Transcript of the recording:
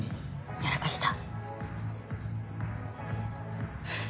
やらかした？